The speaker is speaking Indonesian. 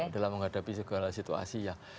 dalam menghadapi segala situasi yang